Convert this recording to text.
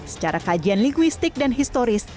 secara kajian linguisnya